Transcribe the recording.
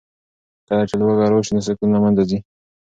کله چې لوږه راشي نو سکون له منځه ځي.